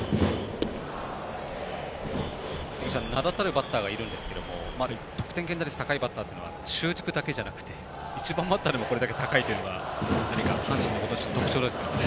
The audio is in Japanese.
名だたるバッターがいるんですが得点圏打率高いバッターというのは中軸だけでなくて１番バッターでもこれだけ高いというのは何か阪神の特徴ですかね。